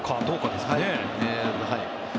ですよね？